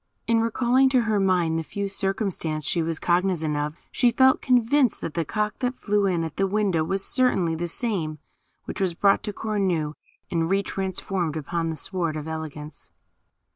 In recalling to her mind the few circumstances she was cognizant of, she felt convinced that the cock that flew in at the window was certainly the same which was brought to Cornue, and re transformed upon the Sward of Eloquence.